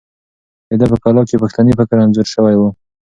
د ده په کلام کې پښتني فکر انځور شوی دی.